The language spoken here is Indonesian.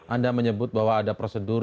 anda menyebut bahwa ada prosedur